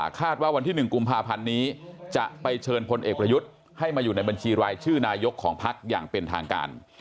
ว่าวันที่๑กุมภาพันธ์นี้จะไปเชิญพลเอกประยุทธ์ให้มาอยู่ในบัญชีรายชื่อนายกของพักอย่างเป็นทางการ